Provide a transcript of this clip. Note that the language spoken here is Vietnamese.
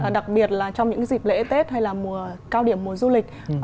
đặc biệt là trong những dịp lễ tết hay là mùa cao điểm mùa du lịch